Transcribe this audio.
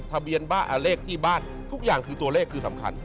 เลขที่บ้านทุกอย่างคือตัวเลขคือสำคัญ